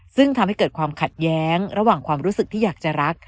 ซึ่งทำให้เกิดความขัดแย้งระหว่างความรู้สึกที่อยากจะรัก